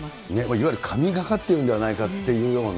いわゆる神がかってるんではないかというような。